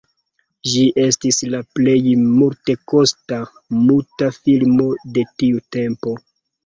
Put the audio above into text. Ĝi estis la plej multekosta muta filmo de tiu tempo.